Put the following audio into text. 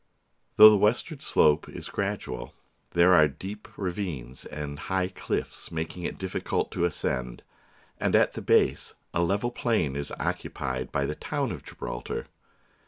Though the westward slope is gradual, there are deep ravines and high cliffs, making it difficult to ascend, and at the base a level plain is occupied by the town of Gibraltar.